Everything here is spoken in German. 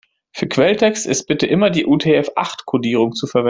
Für Quelltext ist bitte immer die UTF-acht-Kodierung zu verwenden.